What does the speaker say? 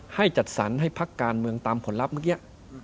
จัดสรรให้พักการเมืองตามผลลัพธ์เมื่อกี้